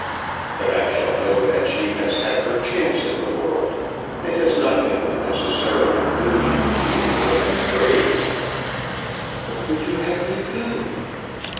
But I shall know that she has had her chance in the world, and has not been unnecessarily doomed to an early grave!" "What would you have me do?"